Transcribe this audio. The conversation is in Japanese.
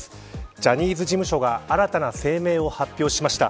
ジャニーズ事務所が新たな声明を発表しました。